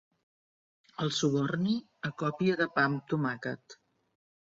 El suborni a còpia de pa amb tomàquet.